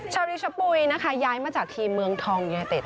ชาวริวชะปุ๋ยนะคะย้ายมาจากทีมเมืองทองยูเนเต็ด